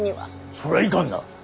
そりゃいかんな。